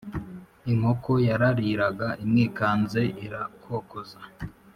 inkoko yarariraga imwikanze irakokoza.